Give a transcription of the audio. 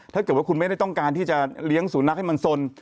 ถ้าเกิดว่าคุณไม่ได้ต้องการที่จะเลี้ยงสุนัขให้มันสน